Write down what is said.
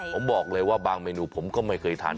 ผมบอกเลยว่าบางเมนูผมก็ไม่เคยทาน